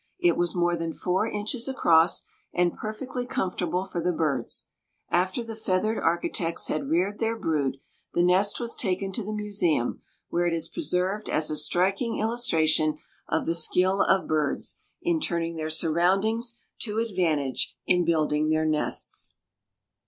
It was more than four inches across and perfectly comfortable for the birds. After the feathered architects had reared their brood, the nest was taken to the museum, where it is preserved as a striking illustration of the skill of birds in turning their surroundings to advantage in building their nests.